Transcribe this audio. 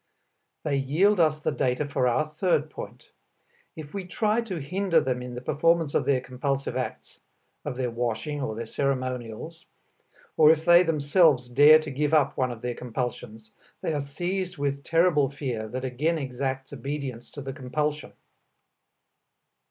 They yield us the data for our third point. If we try to hinder them in the performance of their compulsive acts, of their washing or their ceremonials, or if they themselves dare to give up one of their compulsions, they are seized with terrible fear that again exacts obedience to the compulsion.